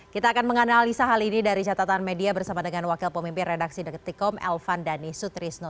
kita akan menganalisa hal ini dari catatan media bersama dengan wakil pemimpin redaksi deketikom elvan dhani sutrisno